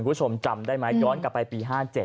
คุณผู้ชมจำได้ไหมย้อนกลับไปปี๕๗